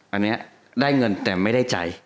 อันนี้ได้เงินแต่ไม่ได้จ่าย